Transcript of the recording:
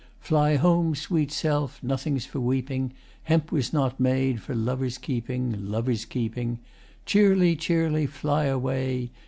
] Fly home, sweet self, Nothing's for weeping, Hemp was not made For lovers' keeping, Lovers' keeping, Cheerly, cheerly, fly away.